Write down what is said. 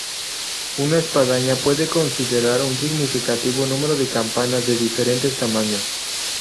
Una espadaña puede considerar un significativo número de campanas de diferentes tamaños.